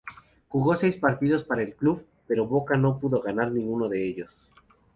Jugó seis partidos para el club, pero Boca no pudo ganar ninguno de ellos.